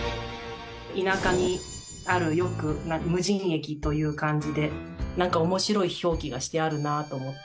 田舎にあるよく無人駅という感じでなんか面白い表記がしてあるなと思って。